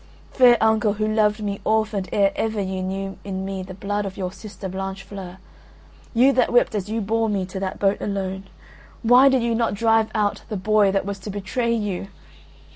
Fair uncle, who loved me orphaned ere ever you knew in me the blood of your sister Blanchefleur, you that wept as you bore me to that boat alone, why did you not drive out the boy that was to betray you?